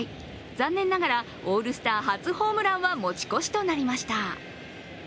残念ながら、オールスター初ホームランは持ち越しとなりました。